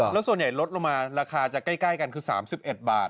แล้วส่วนใหญ่ลดลงมาราคาจะใกล้กันคือ๓๑บาท